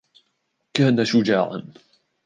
كان شجاعاً.